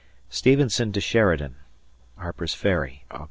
[Stevenson to Sheridan] Harper's Ferry, Aug.